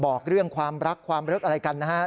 บอกเรื่องความรักความลึกอะไรกันนะครับ